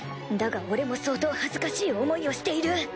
だが俺も相当恥ずかしい思いをしている。